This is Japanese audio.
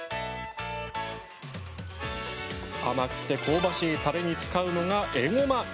甘くて香ばしいたれに使うのがえごま。